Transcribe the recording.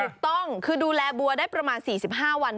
ถูกต้องคือดูแลบัวได้ประมาณ๔๕วัน